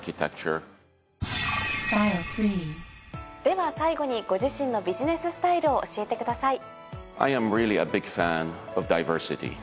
では最後にご自身のビジネススタイルを教えてください。